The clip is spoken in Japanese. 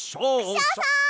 クシャさん！